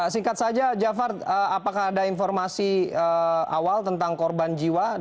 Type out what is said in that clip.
singkat saja jafar apakah ada informasi awal tentang korban jiwa